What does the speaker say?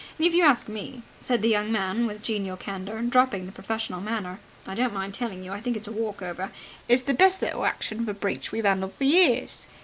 And, if you ask me," said the young man with genial candour, dropping the professional manner, "I don't mind telling you, I think it's a walk over! It's the best little action for breach we've handled for years."